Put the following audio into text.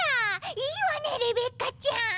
いいわねレベッカちゃん。